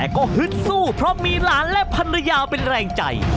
อุ๊ยคุณภรรยาก็นั่งไม่ติดเลยนะ